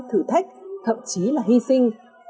thử thách thậm chí là hy sinh